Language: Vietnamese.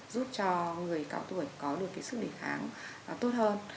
giúp cho người cao tuổi có được sức đề kháng tốt hơn